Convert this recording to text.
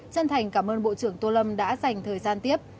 chân thành cảm ơn bộ trưởng tô lâm đã dành thời gian tiếp